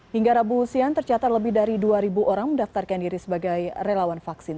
hingga rabu siang tercatat lebih dari dua orang mendaftarkan diri sebagai relawan vaksin